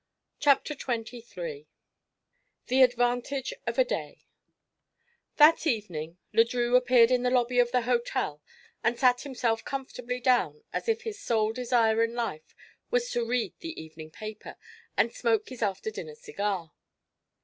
CHAPTER XXIII THE ADVANTAGE OF A DAY That evening Le Drieux appeared in the lobby of the hotel and sat himself comfortably down, as if his sole desire in life was to read the evening paper and smoke his after dinner cigar.